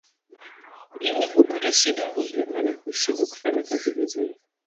Ini hupata shida huvimba na kushindwa kufanya kazi vizuri